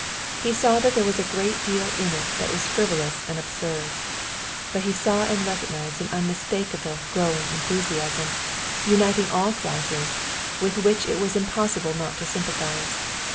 He saw that there was a great deal in it that was frivolous and absurd. But he saw and recognized an unmistakable growing enthusiasm, uniting all classes, with which it was impossible not to sympathize.